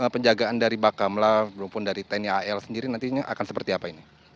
penjagaan dari bakamlah walaupun dari tni al sendiri nantinya akan seperti apa ini